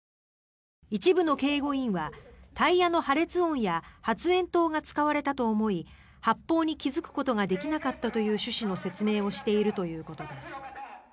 一部の警護員はタイヤの破裂音や発煙筒が使われたと思い発砲に気付くことができなかったという趣旨の説明をしているということです。